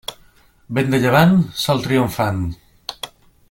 Vent de llevant, sol triomfant.